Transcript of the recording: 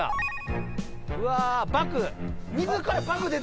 うわバク。